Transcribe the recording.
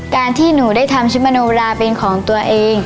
การที่หนูได้ทำชิมโนราเป็นของตัวเอง